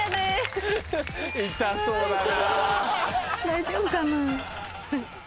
大丈夫かな？